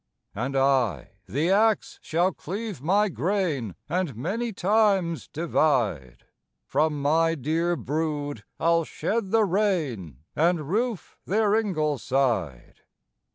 "And I the ax shall cleave my grain, And many times divide; From my dear brood I'll shed the rain, And roof their ingleside."